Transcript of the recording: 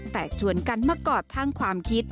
แต่ชวนกันมากอดทางความคิด